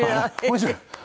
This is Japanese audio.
面白い？